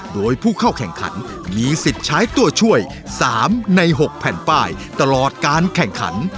โดยผู้เข้าแข่งขันมีสิทธิ์ใช้ตัวช่วย๓ใน๖แผ่นป้ายตลอดการแข่งขัน